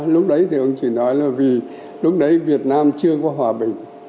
lúc đấy thì ông chỉ nói là vì lúc đấy việt nam chưa có hòa bình